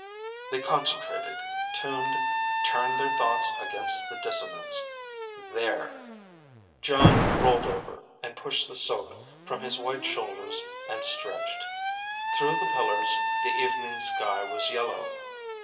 They concentrated, tuned, turned their thoughts against the dissonance. There.... Jon rolled over and pushed the silk from his white shoulders and stretched. Through the blue pillars, the evening sky was yellow.